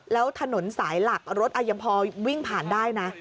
แล้วถนนสายหลักรถยังพอวิ่งผ่านได้นะ